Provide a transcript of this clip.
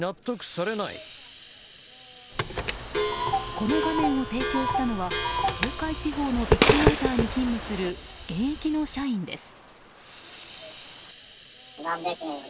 この画面を提供したのは東海地方のビッグモーターに勤務する現役の社員です。